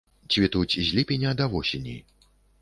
Цвітуць з ліпеня да восені.